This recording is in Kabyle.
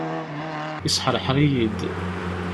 Isḥerḥer-iyi-d.